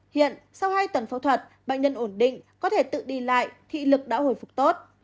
hiện sau hai tuần phẫu thuật bệnh nhân ổn định có thể tự đi lại thị lực đã hồi phục tốt